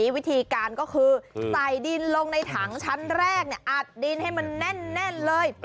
วิธีการก็คือใส่ดินลงในถังชั้นแรกอัดดินให้มันแน่นเลย